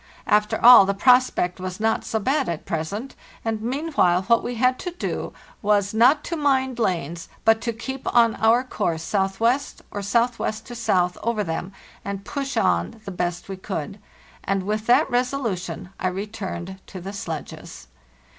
After all, the prospect was not so bad at present; and meanwhile what we had to do was not to mind lanes, but to keep on our course S.W. or S.W. to 5. over them, and push on the best we could. And with that resolution I returned to the sledges.